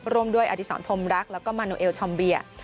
ร่วมด้วยอธิษรพรมรักแล้วก็มาโนเอลชอมเบีย